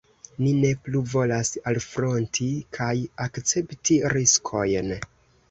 Ni ne plu volas alfronti kaj akcepti riskojn.